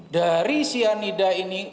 dari cyanida ini